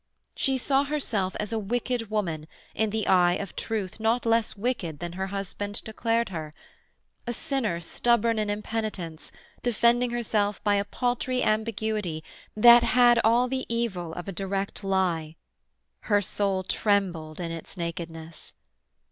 She saw herself as a wicked woman, in the eye of truth not less wicked than her husband declared her. A sinner stubborn in impenitence, defending herself by a paltry ambiguity that had all the evil of a direct lie. Her soul trembled in its nakedness.